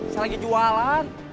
saya lagi jualan